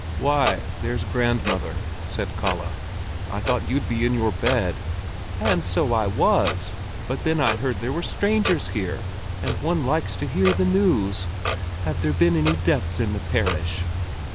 "Why, there's grandmother!" said Kalle. "I thought you'd be in your bed." "And so I was, but then I heard there were strangers here, and one likes to hear the news. Have there been any deaths in the parish?"